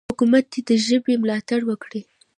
حکومت دې د ژبې ملاتړ وکړي.